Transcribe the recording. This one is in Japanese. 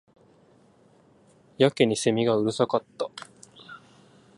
やけに蝉がうるさかった